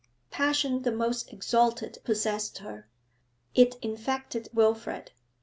Passion the most exalted possessed her. It infected Wilfrid.